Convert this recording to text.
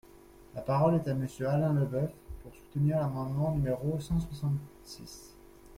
La parole est à Monsieur Alain Leboeuf, pour soutenir l’amendement numéro cent soixante-six.